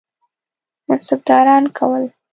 منصبداران کول.